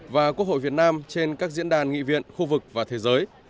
và quốc hội việt nam trên các diễn đàn nghị viện khu vực và thế giới